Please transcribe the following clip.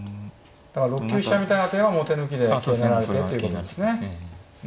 だから６九飛車みたいな手はもう手抜きで桂成られてっていうことなんですね。